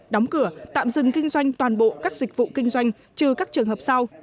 đóng cửa tạm dừng kinh doanh toàn bộ các dịch vụ kinh doanh trừ các trường hợp sau